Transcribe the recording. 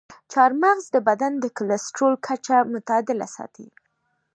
چارمغز د بدن د کلسترول کچه متعادله ساتي.